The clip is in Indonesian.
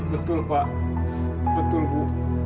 betul pak betul bu